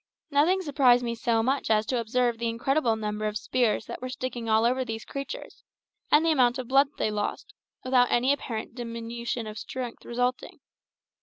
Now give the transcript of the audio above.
Nothing surprised me so much as to observe the incredible number of spears that were sticking all over these creatures, and the amount of blood that they lost, without any apparent diminution of strength resulting.